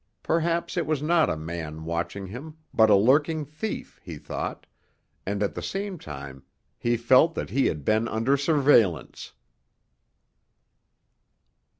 Perhaps it was not a man watching him, but a lurking thief, he thought, and at the same time he felt that he had been under surveillance.